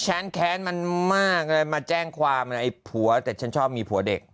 แค้นแค้นมันมากเลยมาแจ้งความไอ้ผัวแต่ฉันชอบมีผัวเด็ก